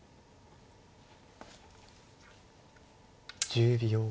１０秒。